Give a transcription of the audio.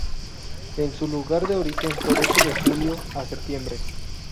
En su lugar de origen florece de julio a septiembre.